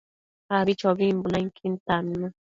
Abichobimbo nainquin tannu